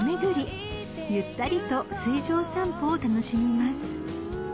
［ゆったりと水上散歩を楽しみます］